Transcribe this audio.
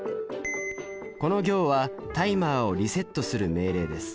この行はタイマーをリセットする命令です。